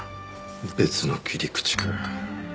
別の切り口か。